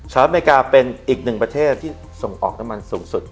อเมริกาเป็นอีกหนึ่งประเทศที่ส่งออกน้ำมันสูงสุด